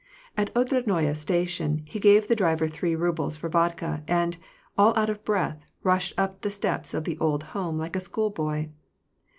At the Otradnoye station he gave the driver three rubles for vodka, and, all out of breath, rushed up the steps of the old home like a schoolboy.